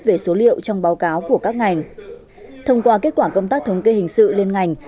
về số liệu trong báo cáo của các ngành thông qua kết quả công tác thống kê hình sự liên ngành